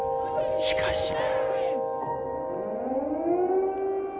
しかし。